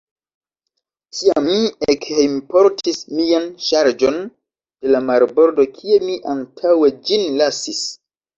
Tiam mi ekhejmportis mian ŝarĝon de la marbordo, kie mi antaŭe ĝin lasis.